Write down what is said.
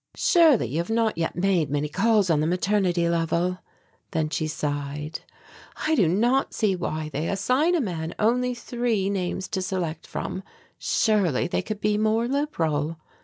"Surely you have not yet made many calls on the maternity level." Then she sighed, "I do not see why they assign a man only three names to select from. Surely they could be more liberal."